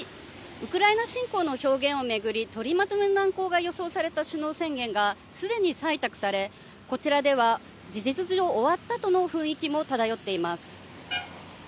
ウクライナ侵攻の表現を巡り、取りまとめの難航が予想された首脳宣言が既に採択され、こちらでは事実上終わったとの雰囲気も漂っています。